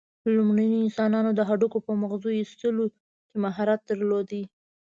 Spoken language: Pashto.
لومړنیو انسانانو د هډوکو په مغزو ایستلو کې مهارت درلود.